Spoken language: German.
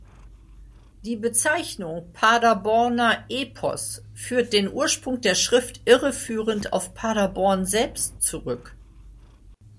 Die Bezeichnung "Paderborner Epos" führt den Ursprung der Schrift irreführend auf Paderborn selbst zurück.